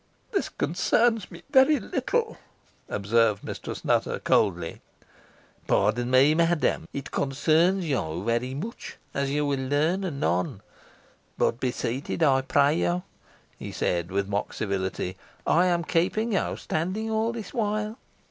"This concerns me little," observed Mistress Nutter, coldly. "Pardon me, madam, it concerns you much, as you will learn anon. But be seated, I pray you," he said, with mock civility. "I am keeping you standing all this while."